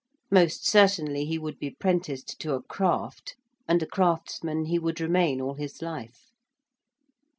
Most certainly, he would be prenticed to a craft and a craftsman he would remain all his life.